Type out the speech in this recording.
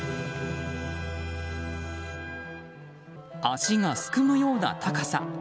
足がすくむような高さ。